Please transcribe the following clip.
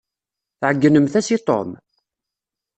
Tɛegnemt-as i Tom?